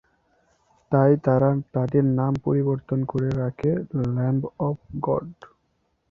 তাই তারা তাদের নাম পরিবর্তন করে রাখে ল্যাম্ব অব গড।